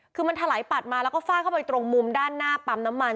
คือมันถลายปัดมาแล้วก็ฟาดเข้าไปตรงมุมด้านหน้าปั๊มน้ำมัน